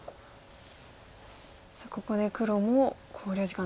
さあここで黒も考慮時間です。